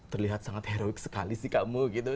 terlihat sangat heroik sekali sih kamu gitu